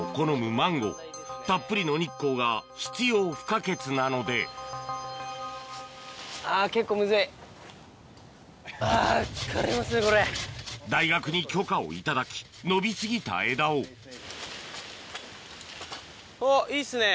マンゴーたっぷりの日光が必要不可欠なので大学に許可を頂き伸び過ぎた枝をあっいいっすね。